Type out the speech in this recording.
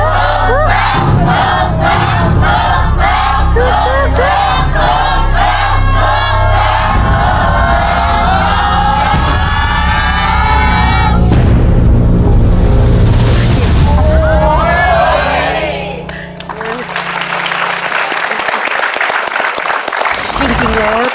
หลุบหลุบหลุบหลุบหลุบ